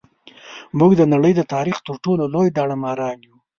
موږ د نړۍ د تاریخ تر ټولو لوی داړه ماران یو.